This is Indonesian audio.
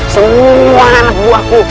semua anak buahku